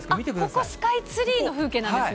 ここスカイツリーの風景なんですね。